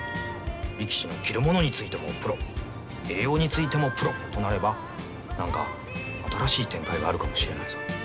力士の着るものについてもプロ栄養についてもプロとなれば何か新しい展開があるかもしれないぞ。